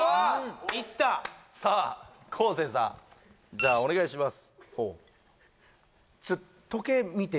いったさあ昴生さんじゃお願いします